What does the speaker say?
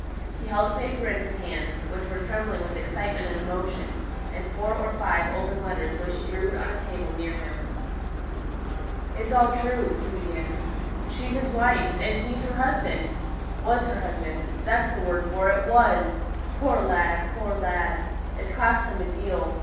He held a paper in his hands, which were trembling with excitement and emotion; and four or five open letters were strewed on a table near him. "It's all true," he began; "she's his wife, and he's her husband was her husband that's the word for it was! Poor lad! poor lad! it's cost him a deal.